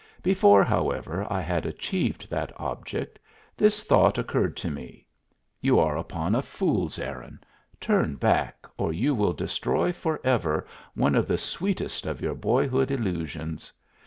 Before, however, I had achieved that object this thought occurred to me: "You are upon a fool's errand; turn back, or you will destroy forever one of the sweetest of your boyhood illusions!